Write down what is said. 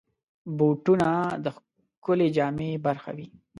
بوټونه د ښکلې جامې برخه وي.